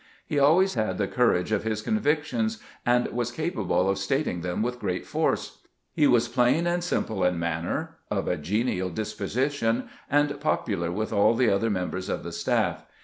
He always had the cou rage of his convictions, and was capable of stating them "with great force. He was plain and simple in manner, of a genial disposition, and popular with all the other members of the staff.